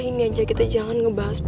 kali ini aja kita jangan ngebahas boy